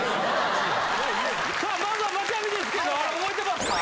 さあまずはマチャミですけどあれ覚えてますか？